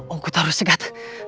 oh gue taruh segat